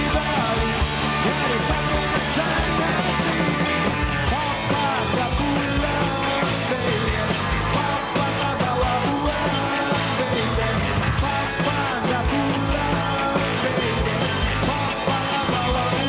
papa gak pulang timeframe